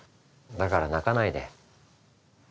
だから泣かないで。